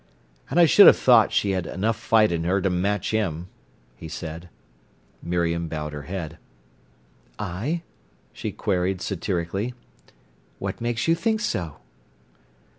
"And I should have thought she had enough fight in her to match him," he said. Miriam bowed her head. "Ay?" she queried satirically. "What makes you think so?"